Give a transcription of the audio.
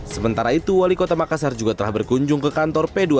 sementara itu wali kota makassar juga telah berkunjung ke kantor p dua puluh